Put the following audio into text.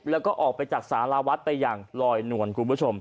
แล้วก็ออกไปจากสารวัฒน์ไปอย่างลอยนวลคุณผู้ชม